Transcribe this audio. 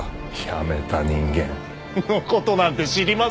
辞めた人間の事なんて知りませんよ。